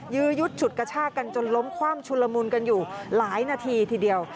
ยื้อยุดฉุดกระชากันจนล้มคว่ำชุลมุนกันอยู่หลายนาทีทีเดียว